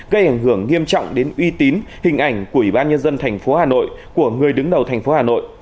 gây ảnh hưởng nghiêm trọng đến uy tín hình ảnh của ủy ban nhân dân thành phố hà nội của người đứng đầu thành phố hà nội